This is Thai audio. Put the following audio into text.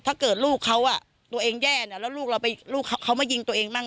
ถ้าเกิดลูกเขาตัวเองแย่แล้วลูกเขามายิงตัวเองมาก